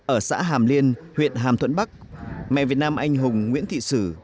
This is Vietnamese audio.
ở xã hàm liên huyện hàm thuận bắc mẹ việt nam anh hùng nguyễn thị sử